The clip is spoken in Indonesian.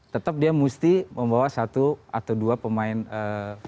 tetap dia mesti membawa satu atau dua pemain